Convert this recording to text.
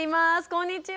こんにちは。